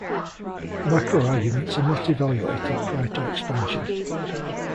Macro arguments are not evaluated prior to expansion.